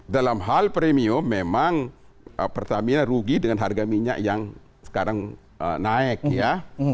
dalam hal premium memang pertamina rugi dengan harga minyak yang sekarang naik ya